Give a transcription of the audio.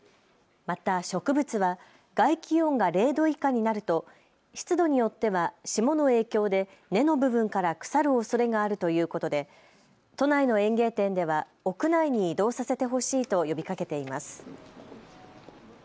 また植物は外気温が０度以下になると湿度によっては霜の影響で根の部分から腐るおそれがあるということで都内の園芸店では屋内に移動させてほしいと呼びかけています。